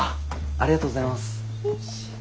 ありがとうございます。